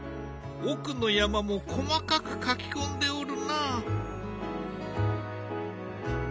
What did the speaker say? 奥の山も細かく描き込んでおるな。